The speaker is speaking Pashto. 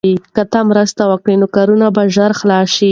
که ته مرسته وکړې نو کار به ژر خلاص شي.